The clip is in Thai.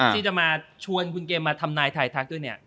ที่จะมาชวนคุณเกมมาทำนายทายทักด้วยเนี่ย